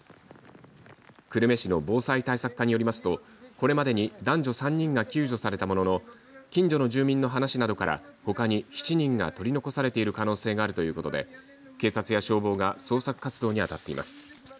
久留米市の防災対策課によりますとこれまでに男女３人が救助されたものの近所の住民の話などからほかに７人が取り残されている可能性があるということで警察や消防が捜索活動に当たっています。